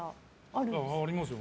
ありますよ。